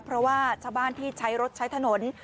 เพราะว่าชาวบ้านที่ใช้รถใช้ถนน